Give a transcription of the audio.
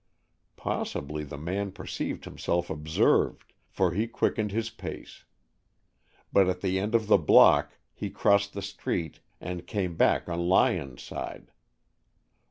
Possibly the man perceived himself observed, for he quickened his pace. But at the end of the block he crossed the street and came back on Lyon's side.